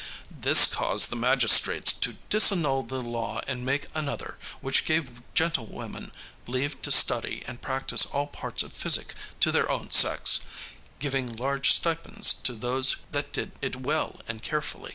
This caused the magistrates to disannul the law and make another, which gave gentlewomen leave to study and practice all parts of physick to their own sex, giving large stipends to those that did it well and carefully.